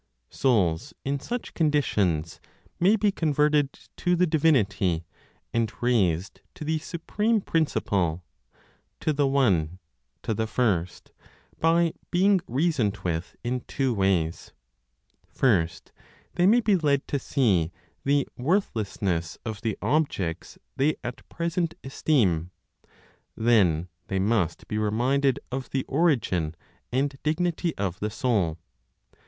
Souls in such conditions may be converted to the Divinity, and raised to the supreme Principle, to the One, to the First, by being reasoned with in two ways. First, they may be led to see the worthlessness of the objects they at present esteem; then they must be reminded of the origin and dignity of the soul.